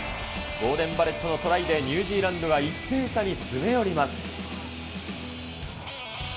ボーデン・バレットのトライで、ニュージーランドが１点差に詰め寄ります。